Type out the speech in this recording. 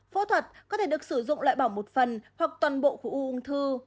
phẫu thuật có thể được sử dụng loại bỏ một phần hoặc toàn bộ của ung thư